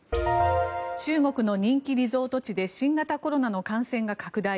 中国の人気リゾート地で新型コロナの感染が拡大。